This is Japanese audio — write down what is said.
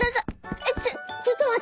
「えっちょっちょっとまって！